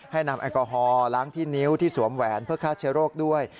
นำแอลกอฮอลล้างที่นิ้วที่สวมแหวนเพื่อฆ่าเชื้อโรคด้วย